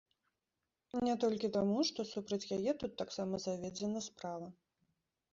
Не толькі таму, што супраць яе тут таксама заведзена справа.